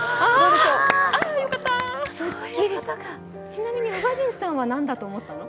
ちなみに宇賀神さんは何だと思ったの？